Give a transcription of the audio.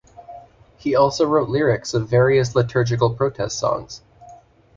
He also wrote lyrics of various liturgical protest songs.